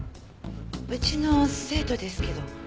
うちの生徒ですけど。